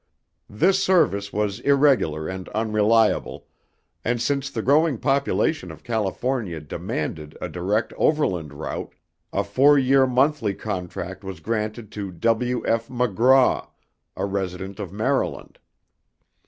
This service was irregular and unreliable; and since the growing population of California demanded a direct overland route, a four year monthly contract was granted to W. F. McGraw, a resident of Maryland.